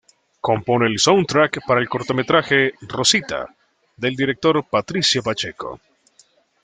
Compone el soundtrack por el cortometraje "Rosita" del director Patricio Pacheco.